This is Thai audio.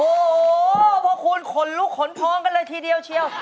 โอ้โหพวกคุณขนลุกขนพองกันเลยทีเดียวเชียว